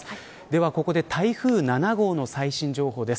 では、ここで台風７号の最新情報です。